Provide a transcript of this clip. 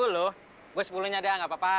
lu empat puluh gua sepuluh nya dah gak apa apa